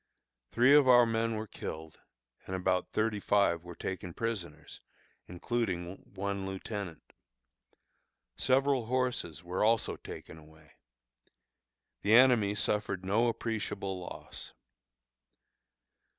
Three of our men were killed, and about thirty five were taken prisoners, including one lieutenant. Several horses were also taken away. The enemy suffered no appreciable loss.